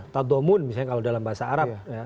tadomun misalnya kalau dalam bahasa arab